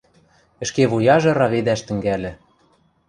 Ӹшке вуяжы раведӓш тӹнгӓльӹ.